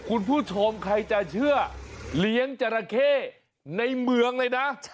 คุณผู้ชมใครจะเชื่อเลี้ยงจราเข้ในเมืองเลยนะ